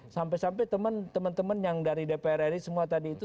sampai sampai teman teman yang dari dpr ri semua tadi itu